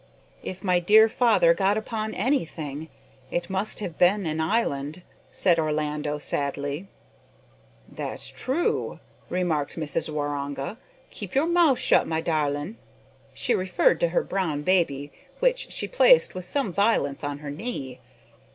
"If my dear father got upon anything, it must have been an island," said Orlando sadly. "That's troo," remarked Mrs Waroonga. "Keep your mouth shut, my da'lin'." She referred to her brown baby, which she placed with some violence on her knee.